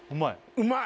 うまい！